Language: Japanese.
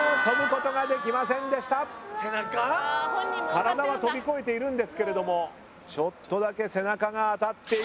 体は跳び越えているんですけれどもちょっとだけ背中が当たっている。